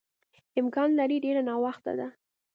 امکان لري ډېر ناوخته ده.